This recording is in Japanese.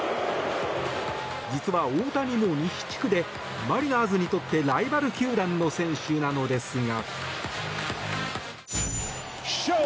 実は大谷も西地区でマリナーズにとってライバル球団の選手なのですが。